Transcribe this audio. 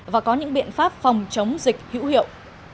và có những biện pháp phòng chống dịch hữu hiệu